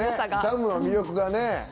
ダムの魅力がね。